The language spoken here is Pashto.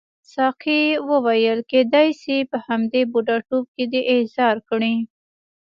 ساقي وویل کیدای شي په همدې بوډاتوب کې دې احضار کړي.